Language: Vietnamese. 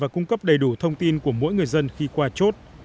và cung cấp đầy đủ thông tin của mỗi người dân khi qua chốt